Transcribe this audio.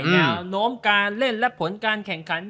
แนวโน้มการเล่นและผลการแข่งขัน